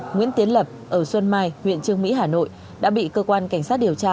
nguyễn tiến lập ở xuân mai huyện trương mỹ hà nội đã bị cơ quan cảnh sát điều tra